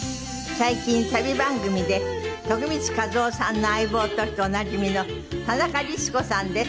最近旅番組で徳光和夫さんの相棒としておなじみの田中律子さんです。